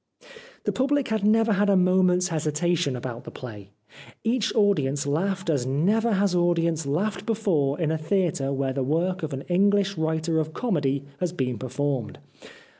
The public never had a moment's hesitation about the play. Each audience laughed as never has audience laughed before in a theatre where the work of an English writer of comedy has been performed.